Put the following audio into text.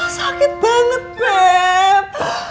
sakit banget beb